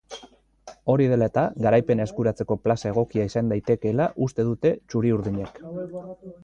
Hori dela eta, garaipena eskuratzeko plaza egokia izan daitekeela uste dute txuri-urdinek.